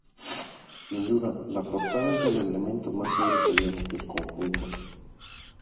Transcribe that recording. Sin duda, la portada es el elemento más sobresaliente del conjunto.